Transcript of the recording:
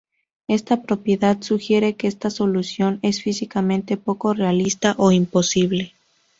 Esta propiedad sugiere que esta solución es físicamente poco realista o imposible.